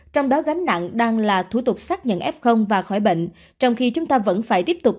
trong đó gánh nặng đang là thủ tục xác nhận f và khỏi bệnh trong khi chúng ta vẫn phải tiếp tục